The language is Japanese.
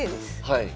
はい。